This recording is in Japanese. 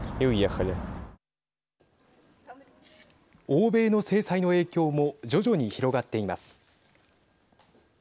欧米の制裁の影響も徐々に広がっています。